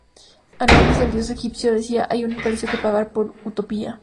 Anubis, el dios egipcio, decía: "Hay una precio que pagar por Utopía".